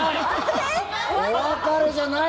お別れじゃない！